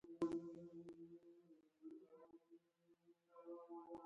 رومیان د بازار مهم توکي دي